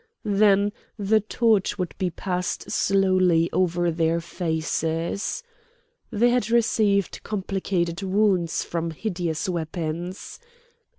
Then the torch would be passed slowly over their faces. They had received complicated wounds from hideous weapons.